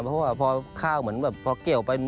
เพราะว่าพอข้าวเหมือนแบบพอเกี่ยวไป